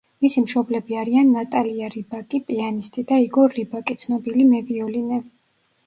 მისი მშობლები არიან ნატალია რიბაკი, პიანისტი, და იგორ რიბაკი, ცნობილი მევიოლინე.